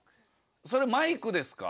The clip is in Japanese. それマイクですか？